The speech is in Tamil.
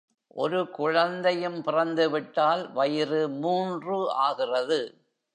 ஒரு குழந்தையும் பிறந்து விட்டால், வயிறு மூன்று ஆகிறது.